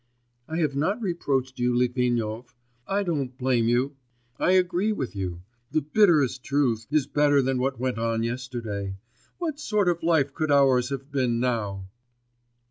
'I have not reproached you, Litvinov, I don't blame you. I agree with you: the bitterest truth is better than what went on yesterday. What sort of a life could ours have been now!